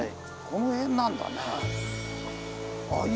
この辺なんだね。